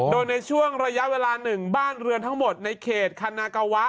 โดยในช่วงระยะเวลาหนึ่งบ้านเรือนทั้งหมดในเขตคันนากาวะ